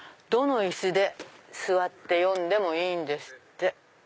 どの椅子で座って読んでもいいんですって。